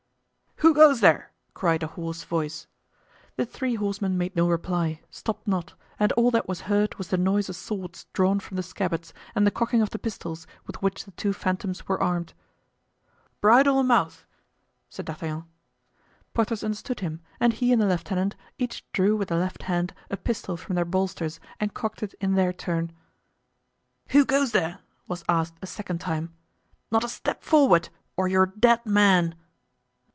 "Who goes there?" cried a hoarse voice. The three horsemen made no reply, stopped not, and all that was heard was the noise of swords drawn from the scabbards and the cocking of the pistols with which the two phantoms were armed. "Bridle in mouth!" said D'Artagnan. Porthos understood him and he and the lieutenant each drew with the left hand a pistol from their bolsters and cocked it in their turn. "Who goes there?" was asked a second time. "Not a step forward, or you're dead men."